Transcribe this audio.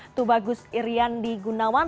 itu bagus irian di gunawan